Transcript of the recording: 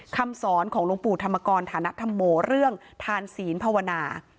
คำสอนของหลวงปู่ธรรมกรฐานธรรมโมเรื่องทานศีลภาวนา